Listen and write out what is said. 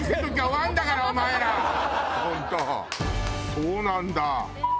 そうなんだ！